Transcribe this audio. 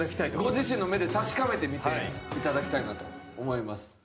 ご自身の目で確かめてみていただきたいなと思います